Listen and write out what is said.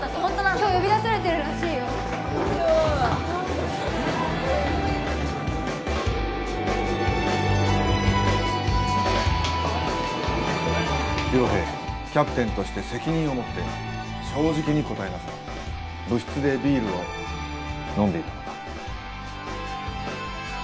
今日呼び出されてるらしい了平キャプテンとして責任を持って正直に答えなさい部室でビールを飲んでいたのか？